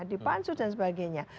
di pansut dan sebagainya